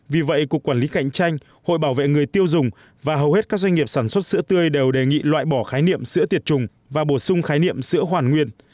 vì vậy cục quản lý cạnh tranh hội bảo vệ người tiêu dùng và hầu hết các doanh nghiệp sản xuất sữa tươi đều đề nghị loại bỏ khái niệm sữa tiệt trùng và bổ sung khái niệm sữa hoàn nguyên